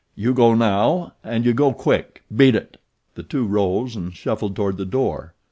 "You go now and you go quick beat it!" The two rose and shuffled toward the door.